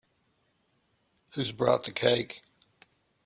Who's brought the cake?